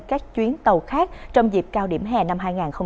các chuyến tàu khác trong dịp cao điểm hè năm hai nghìn hai mươi bốn